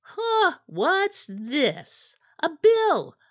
"Ha! What's this? A bill!